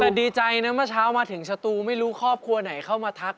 แต่ดีใจนะเมื่อเช้ามาถึงสตูไม่รู้ครอบครัวไหนเข้ามาทัก